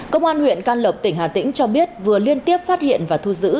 công an huyện can lộc tỉnh hà tĩnh cho biết vừa liên tiếp phát hiện và thu giữ